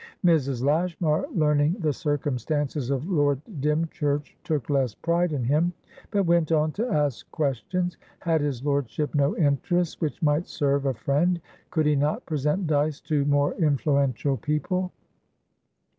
Mrs. Lashmar, learning the circumstances of Lord Dymchurch, took less pride in him, but went on to ask questions. Had his lordship no interest, which might serve a friend? Could he not present Dyce to more influential people?